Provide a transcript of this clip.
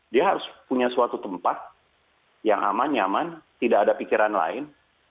dia harus punya suatu tempat yang aman nyaman tidak ada pikiran lain